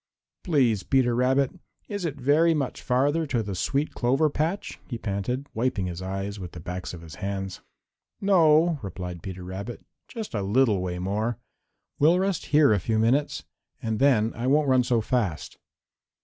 "Please, Peter Rabbit, is it very much farther to the sweet clover patch?" he panted, wiping his eyes with the backs of his hands. "No," replied Peter Rabbit, "just a little way more. We'll rest here a few minutes and then I won't run so fast."